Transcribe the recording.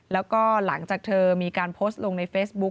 แล้วก็หลังจากเธอมีการโพสต์ลงในเฟซบุ๊ค